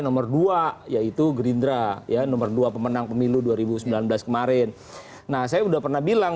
nomor dua yaitu gerindra ya nomor dua pemenang pemilu dua ribu sembilan belas kemarin nah saya udah pernah bilang